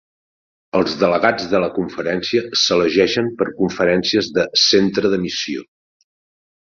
Els delegats de la conferència s'elegeixen per conferències de Centre de Missió.